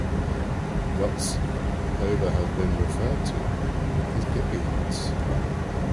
Yachts over have been referred to as giga-yachts.